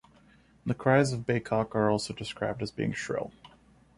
The cries of Baykok are also described as being shrill.